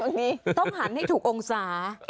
ต้องถือที่ถูกองศา